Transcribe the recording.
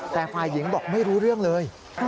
แต่ฝ่ายหญิงบอกไม่รู้เรื่องเลย